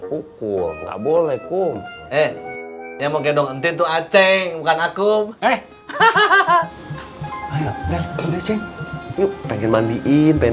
pukul nggak boleh kum eh emang gendong ntin tuh aceh bukan aku eh hahaha pengen mandiin pengen